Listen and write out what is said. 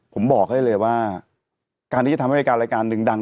ผมบอกให้เลยว่าการที่จะทำให้รายการรายการหนึ่งดัง